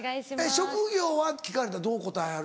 職業は？って聞かれたらどう答えはる？